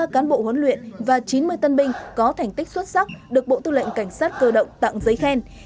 ba cán bộ huấn luyện và chín mươi tân binh có thành tích xuất sắc được bộ tư lệnh cảnh sát cơ động tặng giấy khen